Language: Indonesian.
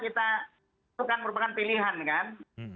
itu kan merupakan pilihan kan